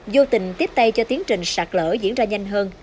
vô tình tiếp tay cho tiến trình sạt lở diễn ra nhanh hơn